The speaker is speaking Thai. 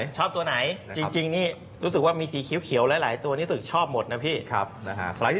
เราชอบตัวไหนจริงนี่รู้สึกมีสีเขียวและหลายตัวมันก็ชอบหมดเนอ่ะพี่